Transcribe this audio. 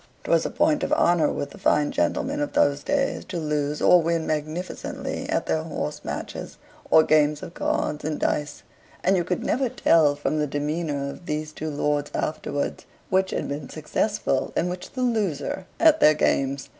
'Twas a point of honor with the fine gentlemen of those days to lose or win magnificently at their horse matches, or games of cards and dice and you could never tell, from the demeanor of these two lords afterwards, which had been successful and which the loser at their games.